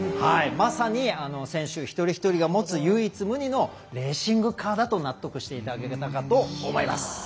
まさに選手一人一人が持つ唯一無二のレーシングカーだと納得していただけたかと思います。